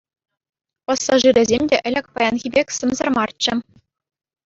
Пассажирӗсем те ӗлӗк паянхи пек сӗмсӗр марччӗ.